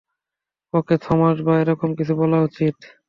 ওকে Thomas বা এরকম কিছু বলা উচিত।